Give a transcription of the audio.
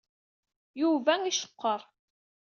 Yuba iceqqer.